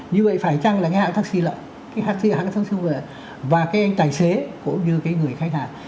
như vậy phải chăng là cái hãng taxi lợi cái hãng taxi lợi và cái anh tài xế cũng như cái người khách hàng